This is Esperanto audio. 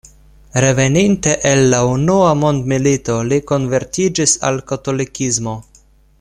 Reveninte el la unua mondmilito li konvertiĝis al katolikismo.